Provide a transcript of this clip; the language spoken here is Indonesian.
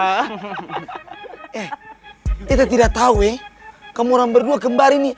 eh kita tidak tahu kamu orang berdua gembar ini